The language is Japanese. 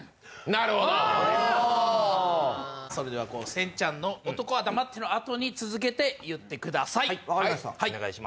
せんちゃんの男は黙ってのあとに続けて言ってください。